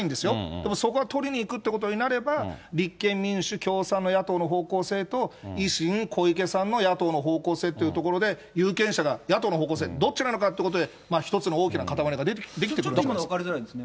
でもそこは取りにいくってことになれば、立憲民主、共産の野党の方向性と、維新、小池さんの野党の方向性というところで、有権者が野党の方向性、どっちなのかということで、一つの大きな塊ができてくると思います。